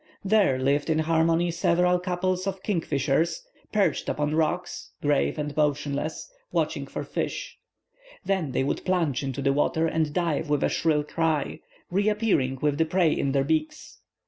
There lived in harmony several couples of kingfishers, perched upon rocks, grave and motionless, watching for fish; then they would plunge into the water and dive with a shrill cry, reappearing with the prey in their beaks.